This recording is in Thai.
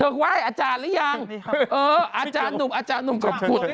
เธอไหว้อาจารย์รึยังเอออาจารย์หนุ่มอาจารย์หนุ่มกับผมเห้าห้าเหรอ